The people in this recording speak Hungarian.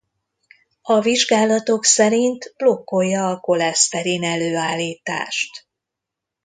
A vizsgálatok szerint blokkolja a koleszterin-előállítást.